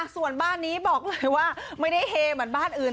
ส่วนบ้านนี้บอกเลยว่าไม่ได้เฮเหมือนบ้านอื่น